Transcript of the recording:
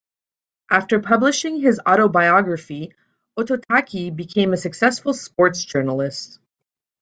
After publishing his autobiography, Ototake became a successful sports journalist.